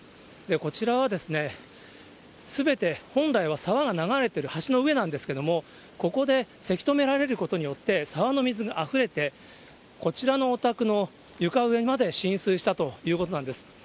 こちらはすべて本来は沢が流れている橋の上なんですけれども、ここでせき止められることによって、沢の水があふれて、こちらのお宅の床上まで浸水したということなんです。